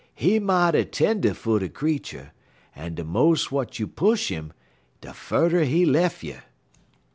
"He mighty tender footed creetur, en de mo' w'at you push 'im, de furder he lef' you."